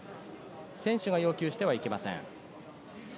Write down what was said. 選手が要求してはいけません。